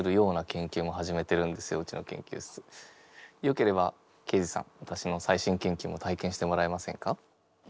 よければ刑事さんわたしの最新研究も体験してもらえませんか？